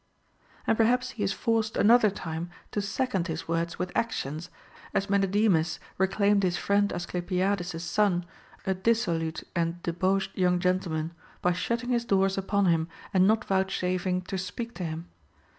* and perhaps he is forced another time to second his words with actions, as Menedemus reclaimed his friend Asclepi ades's son, a dissolute and debauched young gentleman, by shutting his doors upon him and not vouchsafing to speak to him.